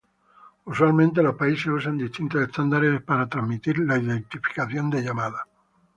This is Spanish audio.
Usualmente los países usan distintos estándares para transmitir la identificación de llamada.